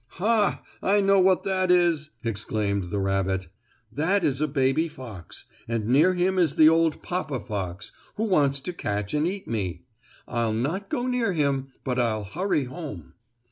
"Ha! I know what that is!" exclaimed the rabbit. "That is a baby fox, and near him is the old papa fox, who wants to catch and eat me. I'll not go near him, but I'll hurry home."